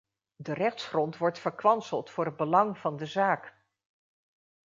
De rechtsgrond wordt verkwanseld voor het belang van de zaak.